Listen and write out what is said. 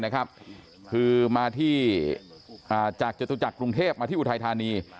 คือมาที่จากจตุจักรกรุงเทพมาที่อุทัยธานี